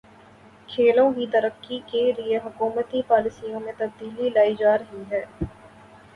کھیلوں کی ترقی کے لیے حکومتی پالیسیوں میں تبدیلی لائی جا رہی ہے